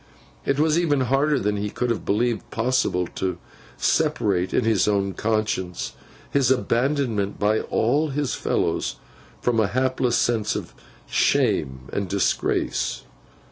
It was even harder than he could have believed possible, to separate in his own conscience his abandonment by all his fellows from a baseless sense of shame and disgrace.